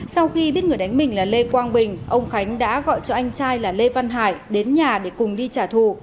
sau khi biết người đánh mình là lê quang bình ông khánh đã gọi cho anh trai là lê văn hải đến nhà để cùng đi trả thù